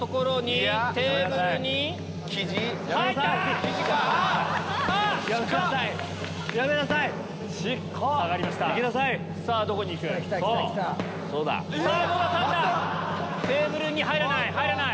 えっまた⁉テーブルに入らない。